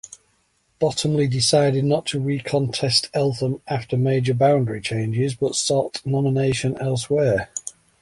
Bottomley decided not to re-contest Eltham after major boundary changes, but sought nomination elsewhere.